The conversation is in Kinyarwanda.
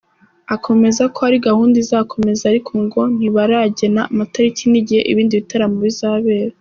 Akomeza ko ari gahunda izakomeza ariko ngo ntibaragena amatariki n’igihe ibindi bitaramo bizabera.